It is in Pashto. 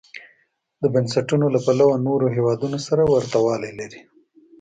د بنسټونو له پلوه نورو هېوادونو سره ورته والی لري.